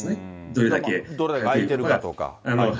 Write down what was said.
どれだけ空いてるかとか。